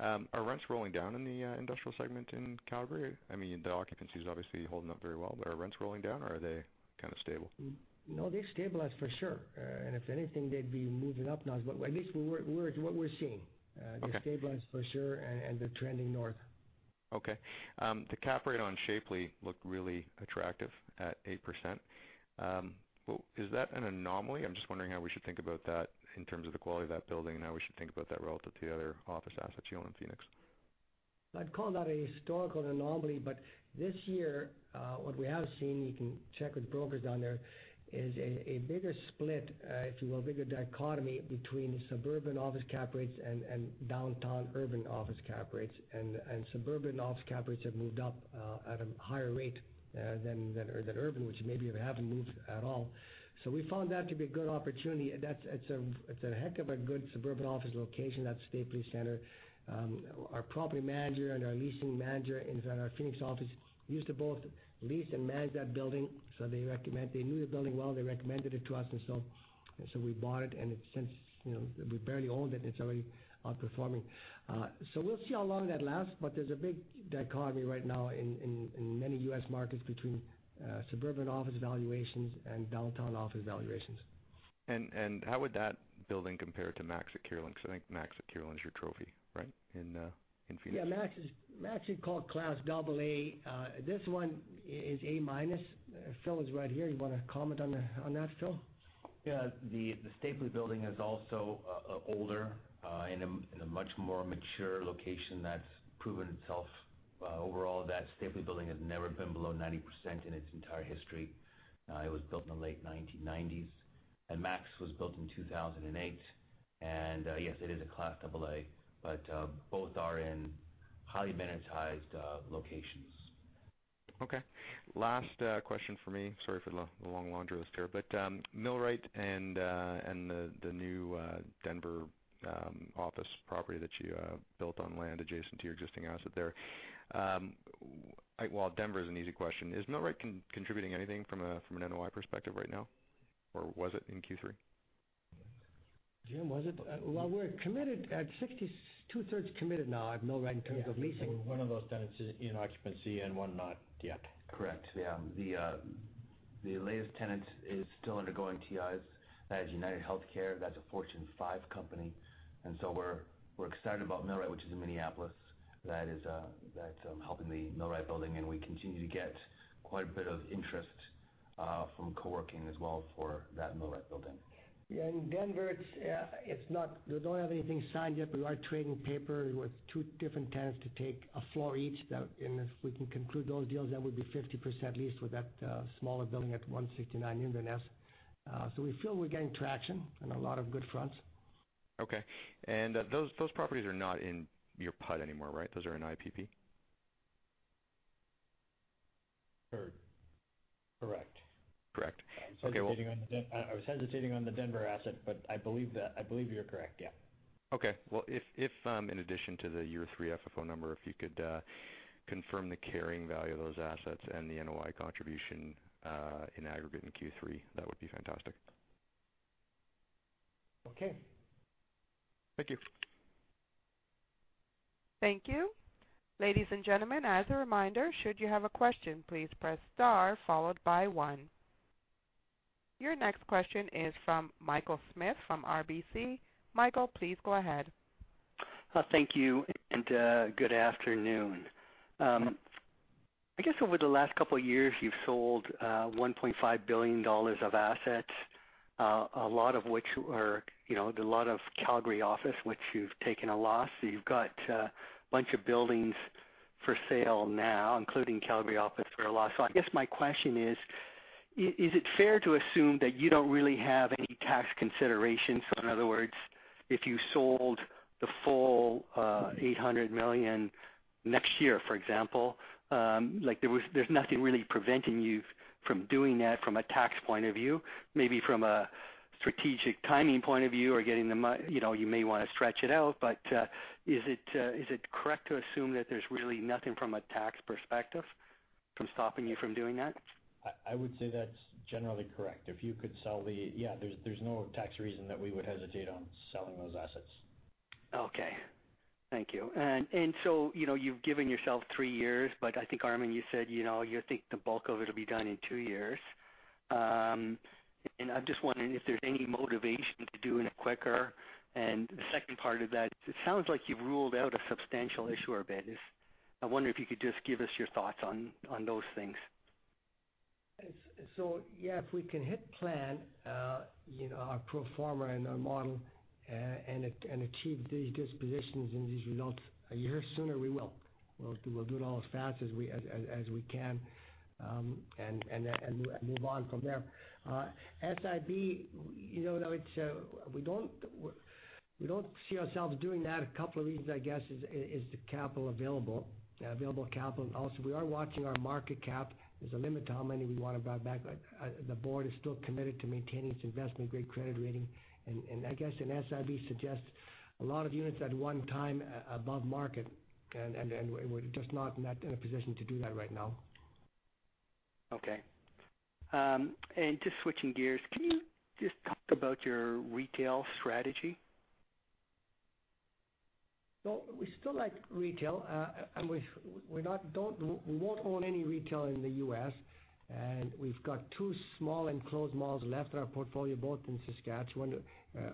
Are rents rolling down in the industrial segment in Calgary? The occupancy is obviously holding up very well, but are rents rolling down, or are they kind of stable? No, they've stabilized for sure. If anything, they'd be moving up now, at least what we're seeing. Okay. They've stabilized for sure, and they're trending north. Okay. The cap rate on Stapley Center looked really attractive at 8%. Is that an anomaly? I'm just wondering how we should think about that in terms of the quality of that building and how we should think about that relative to the other office assets you own in Phoenix. I'd call that a historical anomaly. This year, what we have seen, you can check with brokers down there, is a bigger split, if you will, a bigger dichotomy between suburban office cap rates and downtown urban office cap rates. Suburban office cap rates have moved up at a higher rate than urban, which maybe they haven't moved at all. We found that to be a good opportunity. It's a heck of a good suburban office location, that Stapley Center. Our property manager and our leasing manager inside our Phoenix office used to both lease and manage that building, so they knew the building well, they recommended it to us, and so we bought it, and since we barely owned it's already outperforming. We'll see how long that lasts, but there's a big dichotomy right now in many U.S. markets between suburban office valuations and downtown office valuations. How would that building compare to MAX at Kierland? Because I think MAX at Kierland's your trophy, right, in Phoenix. Yeah, MAX is called Class AA. This one is A-minus. Phil is right here. You want to comment on that, Phil? Yeah. The Stapley building is also older, in a much more mature location that's proven itself. Overall, that Stapley building has never been below 90% in its entire history. It was built in the late 1990s. MAX was built in 2008. Yes, it is a Class AA. Both are in highly amenitized locations. Okay. Last question from me. Sorry for the long laundry list here. Millwright and the new Denver office property that you built on land adjacent to your existing asset there. Well, Denver is an easy question. Is Millwright contributing anything from an NOI perspective right now, or was it in Q3? Jim, was it? Well, we're committed at two-thirds committed now at Millwright in terms of leasing. Yeah. One of those tenants is in occupancy and one not yet. Correct. Yeah. The latest tenant is still undergoing TIs. That is UnitedHealthcare. That's a Fortune 5 company. We're excited about Millwright, which is in Minneapolis. That's helping the Millwright building, and we continue to get quite a bit of interest from co-working as well for that Millwright building. Yeah, in Denver, we don't have anything signed yet, but we are trading paper with two different tenants to take a floor each. If we can conclude those deals, that would be 50% leased with that smaller building at 169 Inverness. We feel we're getting traction on a lot of good fronts. Okay. Those properties are not in your PUD anymore, right? Those are in IPP? Correct. Correct. Okay. I was hesitating on the Denver asset, I believe you're correct, yeah. Okay. Well, if in addition to the year three FFO number, if you could confirm the carrying value of those assets and the NOI contribution in aggregate in Q3, that would be fantastic. Okay. Thank you. Thank you. Ladies and gentlemen, as a reminder, should you have a question, please press star followed by one. Your next question is from Michael Smith from RBC. Michael, please go ahead. Thank you. Good afternoon. I guess over the last couple of years, you've sold 1.5 billion dollars of assets, a lot of Calgary office, which you've taken a loss. You've got a bunch of buildings for sale now, including Calgary office for a loss. I guess my question is it fair to assume that you don't really have any tax considerations? In other words, if you sold the full 800 million next year, for example, there's nothing really preventing you from doing that from a tax point of view. Maybe from a strategic timing point of view or you may want to stretch it out. Is it correct to assume that there's really nothing from a tax perspective from stopping you from doing that? I would say that's generally correct. There's no tax reason that we would hesitate on selling those assets. Okay. Thank you. You've given yourself three years, but I think, Armin, you said you think the bulk of it will be done in two years. I'm just wondering if there's any motivation to doing it quicker. The second part of that, it sounds like you've ruled out a substantial issuer bid. I wonder if you could just give us your thoughts on those things. Yeah, if we can hit plan, our pro forma and our model, and achieve these dispositions and these results a year sooner, we will. We'll do it all as fast as we can and move on from there. SIB, we don't see ourselves doing that. A couple of reasons, I guess, is the capital available. Available capital, and also we are watching our market cap. There's a limit to how many we want to buy back. The board is still committed to maintaining its investment-grade credit rating. I guess an SIB suggests a lot of units at one time above market, and we're just not in a position to do that right now. Okay. Just switching gears, can you just talk about your retail strategy? We still like retail. We won't own any retail in the U.S. We've got two small enclosed malls left in our portfolio, both in Saskatchewan.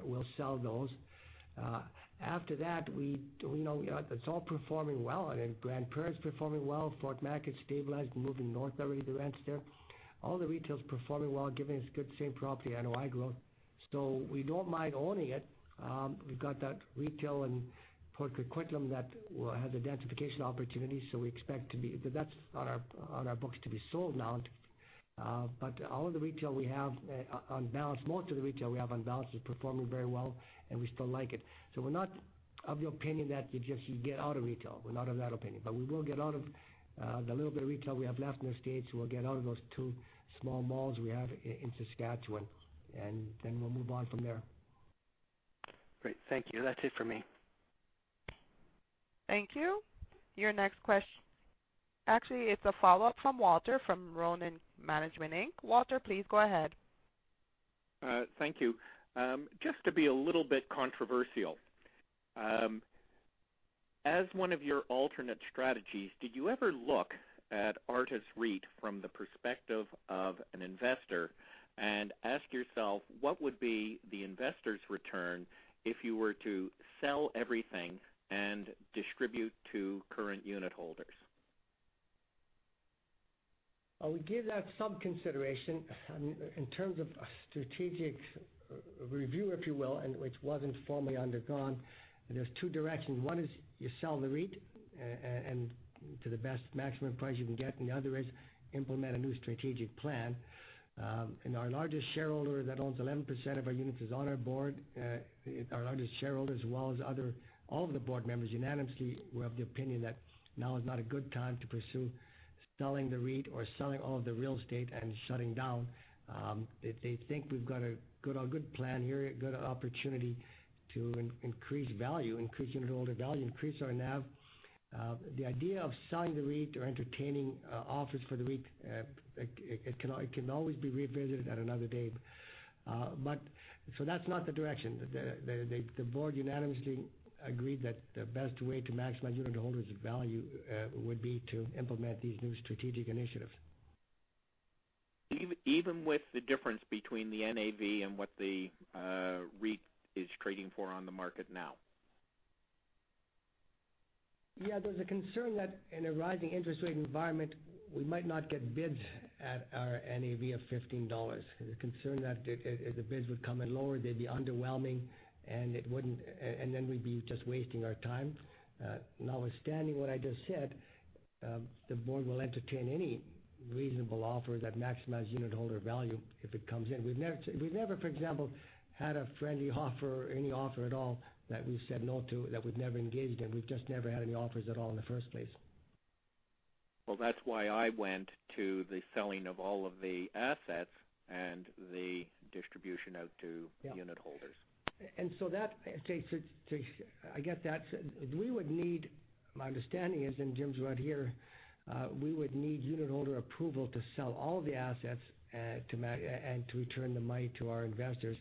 We'll sell those. After that, it's all performing well. Grande Prairie is performing well. Fort Mac is stabilized, moving north on the rents there. All the retail is performing well, giving us good same property NOI growth. We don't mind owning it. We've got that retail in Port Coquitlam that has densification opportunities. That's on our books to be sold now. All of the retail we have on balance, most of the retail we have on balance is performing very well, and we still like it. We're not of the opinion that you just get out of retail. We're not of that opinion. We will get out of the little bit of retail we have left in the U.S. We'll get out of those two small malls we have in Saskatchewan, and then we'll move on from there. Great. Thank you. That's it for me. Thank you. Your next question. It's a follow-up from Walter from Ronin Management Inc. Walter, please go ahead. Thank you. Just to be a little bit controversial. As one of your alternate strategies, did you ever look at Artis REIT from the perspective of an investor and ask yourself what would be the investor's return if you were to sell everything and distribute to current unit holders? We give that some consideration in terms of a strategic review, if you will, and which was informally undergone. There's two directions. One is you sell the REIT to the best maximum price you can get, and the other is implement a new strategic plan. Our largest shareholder that owns 11% of our units is on our board. Our largest shareholder, as well as all of the board members unanimously, we have the opinion that now is not a good time to pursue selling the REIT or selling all of the real estate and shutting down. They think we've got a good plan here, a good opportunity to increase value, increase unitholder value, increase our NAV. The idea of selling the REIT or entertaining offers for the REIT, it can always be revisited at another date. That's not the direction. The board unanimously agreed that the best way to maximize unitholders' value would be to implement these new strategic initiatives. Even with the difference between the NAV and what the REIT is trading for on the market now? Yeah. There's a concern that in a rising interest rate environment, we might not get bids at our NAV of 15 dollars. The concern that the bids would come in lower, they'd be underwhelming, and then we'd be just wasting our time. Notwithstanding what I just said, the board will entertain any reasonable offer that maximizes unitholder value if it comes in. We've never, for example, had a friendly offer or any offer at all that we've said no to, that we've never engaged in. We've just never had any offers at all in the first place. Well, that's why I went to the selling of all of the assets and the distribution out to- Yeah unitholders. I get that. My understanding is, and Jim's right here, we would need unitholder approval to sell all the assets and to return the money to our investors.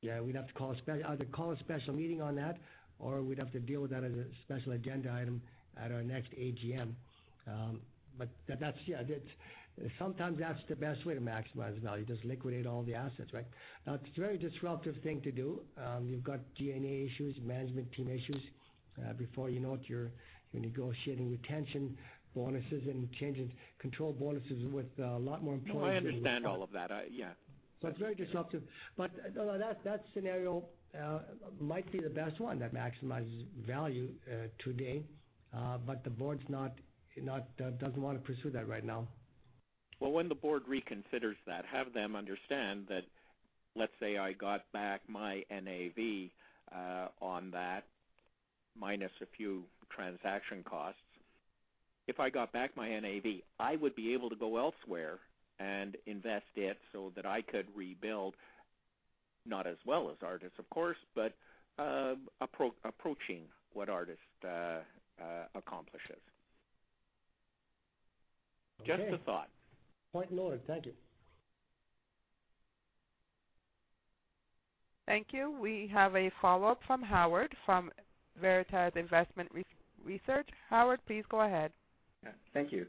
Yeah, we'd have to either call a special meeting on that, or we'd have to deal with that as a special agenda item at our next AGM. Sometimes that's the best way to maximize value, just liquidate all the assets, right? It's a very disruptive thing to do. You've got G&A issues, management team issues. Before you know it, you're negotiating retention bonuses and changing control bonuses with a lot more employees. No, I understand all of that. Yeah. It's very disruptive. That scenario might be the best one that maximizes value today. The board doesn't want to pursue that right now. When the board reconsiders that, have them understand that, let's say I got back my NAV on that, minus a few transaction costs. If I got back my NAV, I would be able to go elsewhere and invest it so that I could rebuild. Not as well as Artis, of course, but approaching what Artis accomplishes. Just a thought. Point noted. Thank you. Thank you. We have a follow-up from Howard from Veritas Investment Research. Howard, please go ahead. Thank you.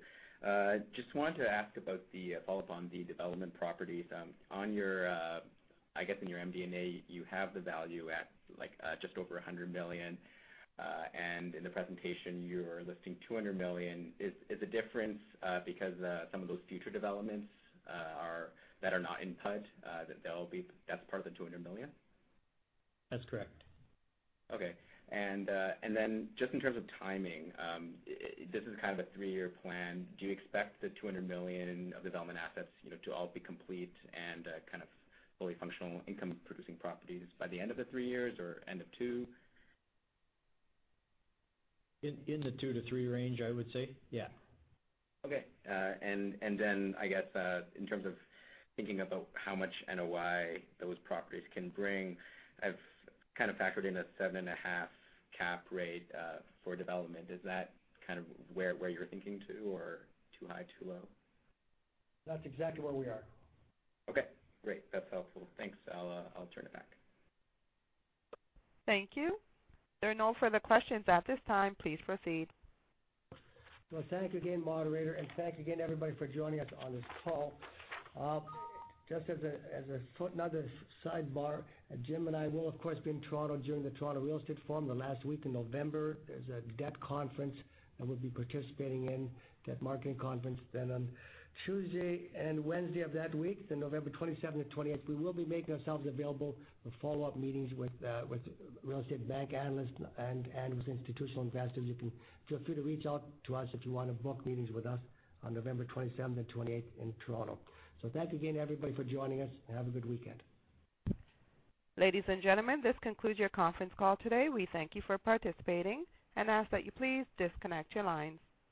Just wanted to ask about the follow-up on the development properties. I guess in your MD&A, you have the value at just over 100 million. In the presentation, you're listing 200 million. Is the difference because some of those future developments that are not input, that's part of the 200 million? That's correct. Okay. Just in terms of timing, this is kind of a three-year plan. Do you expect the 200 million of development assets to all be complete and kind of fully functional income-producing properties by the end of the three years or end of two? In the two to three range, I would say. Yeah. Okay. I guess, in terms of thinking about how much NOI those properties can bring, I've kind of factored in a seven and a half cap rate for development. Is that kind of where you're thinking too, or too high, too low? That's exactly where we are. Okay. Great. That's helpful. Thanks. I'll turn it back. Thank you. There are no further questions at this time. Please proceed. Thank you again, moderator, and thank you again, everybody, for joining us on this call. Just as a footnote, a sidebar, Jim and I will, of course, be in Toronto during the Toronto Real Estate Forum the last week in November. There's a debt conference that we'll be participating in, debt marketing conference. On Tuesday and Wednesday of that week, so November 27th and 28th, we will be making ourselves available for follow-up meetings with real estate bank analysts and with institutional investors. You can feel free to reach out to us if you want to book meetings with us on November 27th and 28th in Toronto. Thank you again, everybody, for joining us, and have a good weekend. Ladies and gentlemen, this concludes your conference call today. We thank you for participating and ask that you please disconnect your lines.